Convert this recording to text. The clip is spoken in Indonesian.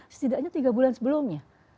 setidaknya tiga bulan sebelumnya